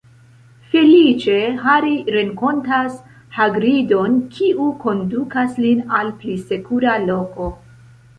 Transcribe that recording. Feliĉe, Hari renkontas Hagrid-on, kiu kondukas lin al pli sekura loko.